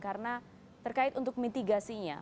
karena terkait untuk mitigasinya